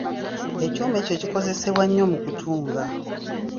Ekyuma ekyo kikozesebwa nnyo mu kutunga.